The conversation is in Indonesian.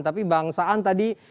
tapi bang saan tadi